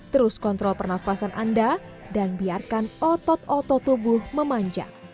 terus kontrol pernafasan anda dan biarkan otot otot tubuh memanjang